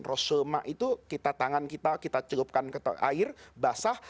rossulma itu kita tangan kita kita celupkan air basah